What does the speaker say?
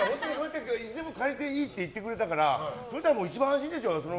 いつでも借りていいって言ってくれたからそしたら、一番安心ですよ。